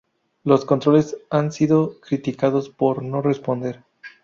Los controles han sido criticados por no responder.